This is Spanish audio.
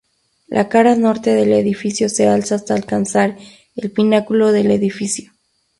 La cara norte del edificio se alza hasta alcanzar el pináculo del edificio.